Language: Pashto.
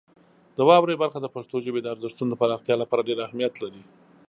د واورئ برخه د پښتو ژبې د ارزښتونو د پراختیا لپاره ډېر اهمیت لري.